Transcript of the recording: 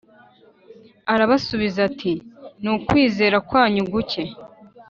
Arabasubiza ati “Ni ukwizera kwanyu guke